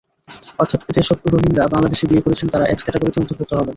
অর্থাৎ যেসব রোহিঙ্গা বাংলাদেশে বিয়ে করেছেন, তাঁরা এক্স ক্যাটাগরিতে অন্তর্ভুক্ত হবেন।